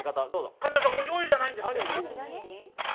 神田さん、お醤油じゃないんですって。